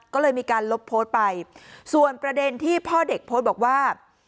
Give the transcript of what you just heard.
ก็เลยมีการลบโพสต์ไปส่วนประเด็นที่พ่อเด็กโพสต์บอกว่า